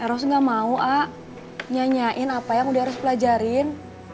eros gak mau ah nyanyain apa yang udah eros pelajarin